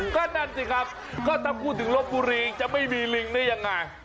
ก็นั่นสิครับก็ถ้าพูดถึงลบบุรีจะไม่มีลิงได้ยังไง